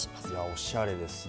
おしゃれですね。